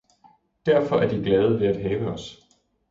derfor er de glade ved at have os!